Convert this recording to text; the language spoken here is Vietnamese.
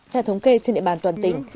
theo thống kê trên địa bàn toàn tỉnh